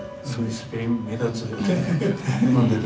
スペイン目立つね。